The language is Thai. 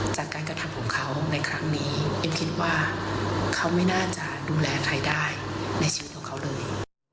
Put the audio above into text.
จากการกระทำของเขาในครั้งนี้อิมคิดว่าเขาไม่น่าจะดูแลใครได้ในชีวิตของเขาเลย